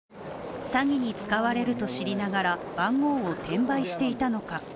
詐欺に使われると知りながら番号を転売していたのか。